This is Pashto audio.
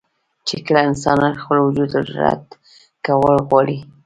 چې کله انسان خپل وجود الرټ کول غواړي